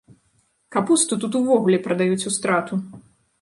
Капусту тут увогуле прадаюць у страту!